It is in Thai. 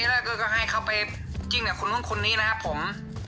แรกก็ให้เขาไปจิ้งกับคนนู้นคนนี้นะครับผม